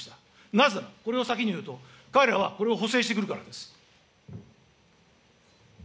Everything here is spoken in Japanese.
なぜなら、これを先に言うと、彼らはこれを補正してくるからです。